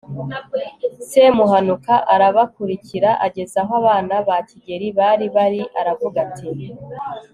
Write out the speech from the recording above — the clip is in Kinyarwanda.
semuhanuka arabakurikira ageza aho abana ba kigeli bari bari aravuga ati